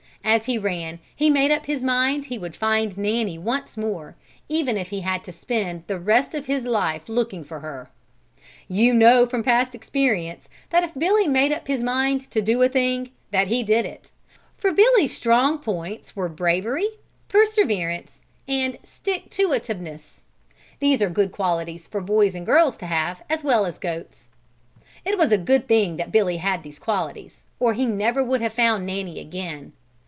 As he ran, he made up his mind he would find Nanny once more, even if he had to spend the rest of his life looking for her. You know from past experience that if Billy made up his mind to do a thing, that he did it; for Billy's strong points were bravery, perseverance and stick to ativeness. These are good qualities for boys and girls to have as well as goats. It was a good thing that Billy had these qualities, or he never would have found Nanny again.